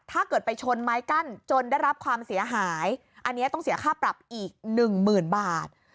ถ้าเกิดไปชนไม้กั้นจนได้รับความเสียหายอันนี้ต้องเสียค่าปรับอีกหนึ่งหมื่นบาท